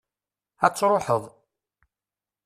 ad truḥeḍ